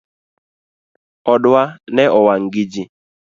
Odwa ne owang gi jii